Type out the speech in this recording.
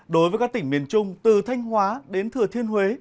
đối với các tỉnh miền trung từ thanh hóa đến thừa thiên huế